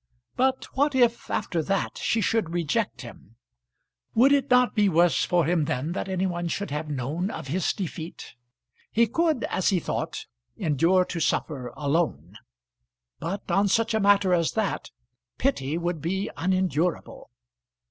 But what if after that she should reject him? Would it not be worse for him then that any one should have known of his defeat? He could, as he thought, endure to suffer alone; but on such a matter as that pity would be unendurable.